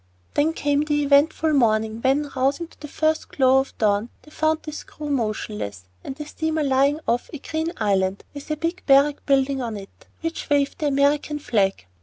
Then came the eventful morning, when, rousing to the first glow of dawn, they found the screw motionless, and the steamer lying off a green island, with a big barrack building on it, over which waved the American flag.